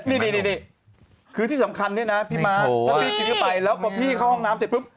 นี่คือที่สำคัญนี่นะพี่ม้าพี่จริงไปแล้วพอพี่เข้าห้องน้ำเสร็จ